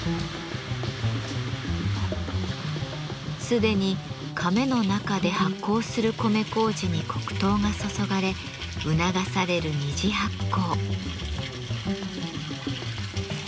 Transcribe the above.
既にカメの中で発酵する米こうじに黒糖が注がれ促される二次発酵。